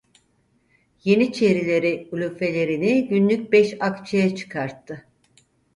Yeniçerileri ulufelerini günlük beş akçeye çıkarttı.